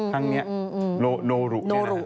ทั้งนี้โนรุ